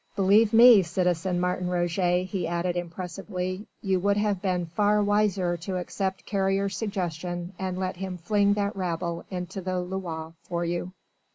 Believe me, citizen Martin Roget," he added impressively, "you would have been far wiser to accept Carrier's suggestion and let him fling that rabble into the Loire for you."